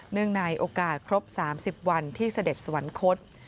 ในโอกาสครบ๓๐วันที่เสด็จสวรรคต